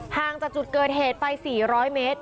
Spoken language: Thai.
ห่างจากจุดเกิดเหตุไป๔๐๐เมตร